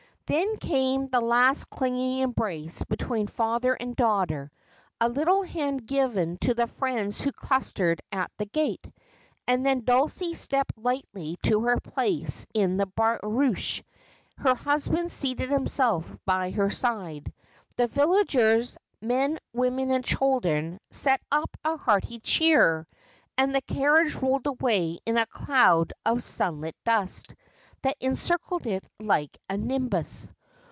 Then came the last clinging embrace between father and daughter, a little hand given to the friends who clustered at the gate. And then Dulcie stepped lightly to her place in the barouche, her husband seated himself by her side, the villagers, men, women, and children, set up a hearty cheer, and the carriage rolled away in a cloud of sunlit dust, that encircled it like a nimbus.